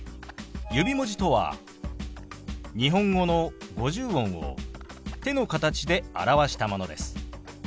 指文字とは日本語の五十音を手の形で表したものです。